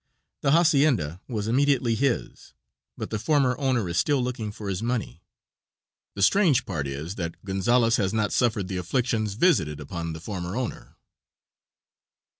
The hacienda was immediately his, but the former owner is still looking for his money. The strange part is that Gonzales has not suffered the afflictions visited upon the former owner.